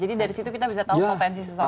jadi dari situ kita bisa tahu potensi sesuatu